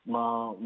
menurut pak yuris